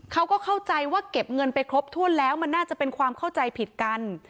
เขาก็เข้าใจว่าเก็บเงินไปครบถ้วนแล้วมันน่าจะเป็นความเข้าใจผิดกัน